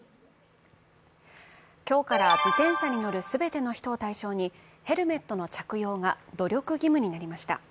今日から自転車に乗る全ての人を対象にヘルメットの着用が努力義務になりました。